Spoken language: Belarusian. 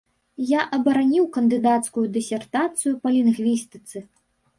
Я абараніў кандыдацкую дысертацыю па лінгвістыцы.